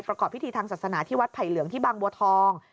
ประกอบพิธีทางศาสนาที่วัดไผ่เหลืองที่บางบัวทอง